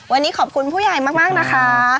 วันนี้ขอบคุณผู้ใหญ่มากนะคะ